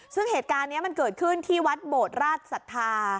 ซึ่งเหตุการณ์นี้มันเกิดขึ้นที่วัดโบดราชศรัทธา